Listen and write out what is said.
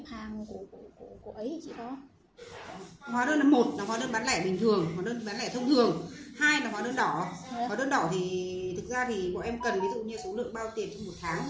hóa đơn đỏ thì thực ra thì bọn em cần ví dụ như số lượng bao tiền trong một tháng